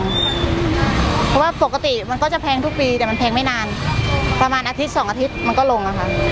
เพราะว่าปกติมันก็จะแพงทุกปีแต่มันแพงไม่นานประมาณอาทิตย์สองอาทิตย์มันก็ลงอะค่ะ